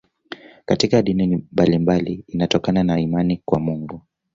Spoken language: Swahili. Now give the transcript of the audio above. Katika dini mbalimbali inatokana na imani kwa Mungu.